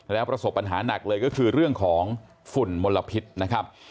แล้วประสบปัญหาหนักเลยก็คือเรื่องของฝุ่นมลพิษนะครับ